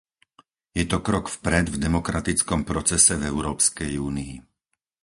Je to krok vpred v demokratickom procese v Európskej únii.